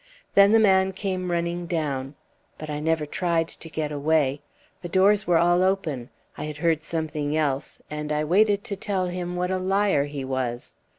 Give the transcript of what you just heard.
Then the man came running down. But I never tried to get away. The doors were all open. I had heard something else, and I waited to tell him what a liar he was!